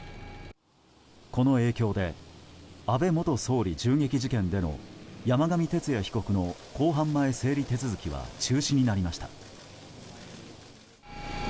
この影響で安倍元総理銃撃事件での山上徹也被告の公判前整理手続きは中止になりました。